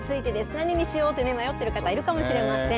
何にしようって迷っている方、多いかもしれません。